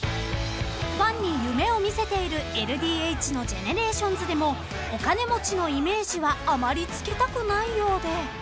［ファンに夢を見せているＬＤＨのＧＥＮＥＲＡＴＩＯＮＳでもお金持ちのイメージはあまりつけたくないようで］